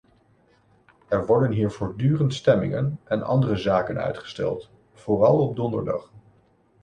Er worden hier voortdurend stemmingen en andere zaken uitgesteld, vooral op donderdag.